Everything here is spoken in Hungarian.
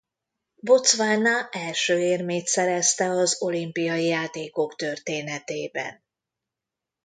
Botswana első érmét szerezte az olimpiai játékok történetében.